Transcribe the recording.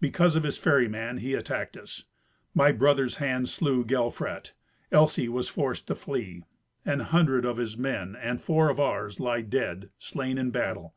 Because of his ferryman, he attacked us. My brother's hand slew Gelfrat. Elsy was forced to flee. An hundred of his men, and four of ours, lie dead, slain in battle."